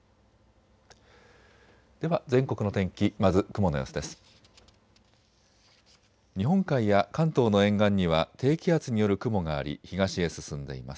では全国の天気まず雲の様子です。